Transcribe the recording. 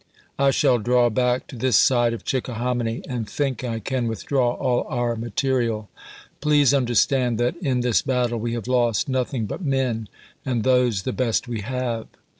I shall draw back to this side of Chickahominy, and think I can withdraw all our material. Please understand that in this battle we have lost nothing but men, and those the best we have.